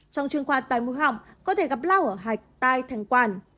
trong chuyên khoa tai mũ hỏng có thể gặp lao ở hạch tai thanh quản